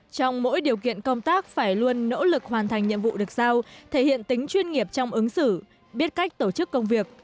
trong mỗi điều kiện công tác phải luôn nỗ lực hoàn thành nhiệm vụ được giao thể hiện tính chuyên nghiệp trong ứng xử biết cách tổ chức công việc